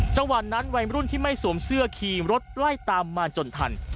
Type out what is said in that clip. จังหวัดนั้นวัยรุ่นที่ไม่สวมเสื้อขี่รถไล่ตามมาจนทัน